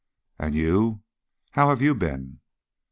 "And you? How have you been?"